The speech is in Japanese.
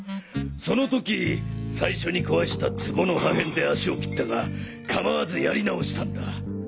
その時最初に壊したツボの破片で足を切ったが構わずやり直したんだ。